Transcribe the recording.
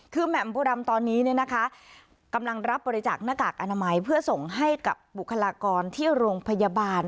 คือแหม่มโพดำตอนนี้กำลังรับบริจาคหน้ากากอนามัยเพื่อส่งให้กับบุคลากรที่โรงพยาบาล